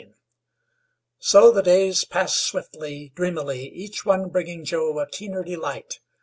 So the days passed swiftly, dreamily, each one bringing Joe a keener delight.